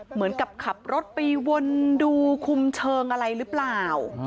เหมือนกับขับรถไปวนดูคุมเชิงอะไรหรือเปล่า